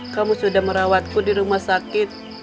kamu sudah merawatku di rumah sakit